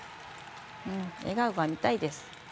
笑顔が見たいです。